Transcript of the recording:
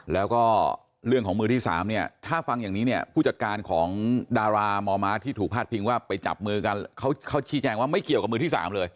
แล้วก็เรื่องของมือที่๓เนี่ยถ้าฟังอย่างนี้เนี่ยผู้จัดการของดารามอมมที่ถูกพาดพิงว่าไปจับมือกันเขาชี้แจงว่าไม่เกี่ยวกับมือที่๓เลย